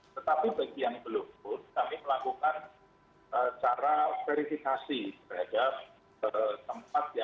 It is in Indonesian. tetapi bagi yang belum pun kami melakukan cara verifikasi terhadap tempat ya